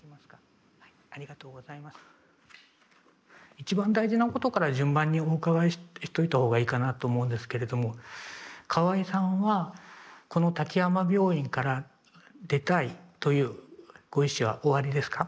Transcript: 一番大事なことから順番にお伺いしといた方がいいかなと思うんですけれども河合さんはこの滝山病院から出たいというご意思はおありですか？